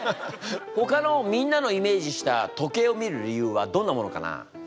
ほかのみんなのイメージした時計を見る理由はどんなものかな？